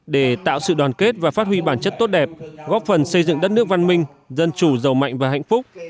để tạo sự đoàn kết và phát huy bản chất tốt đẹp góp phần xây dựng đất nước văn minh dân chủ giàu mạnh và hạnh phúc